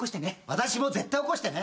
私も絶対起こしてね。